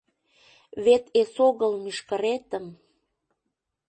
Вет эсогыл мӱшкыретым